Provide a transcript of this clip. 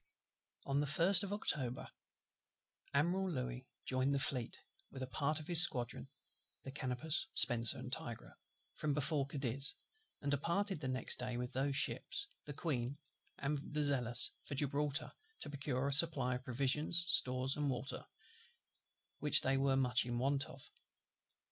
On the 1st of October Admiral LOUIS joined the Fleet, with a part of his squadron (the Canopus, Spencer, and Tigre), from before Cadiz; and departed the next day with those ships, the Queen, and the Zealous, for Gibraltar, to procure a supply of provisions, stores, and water, which they were much in want of.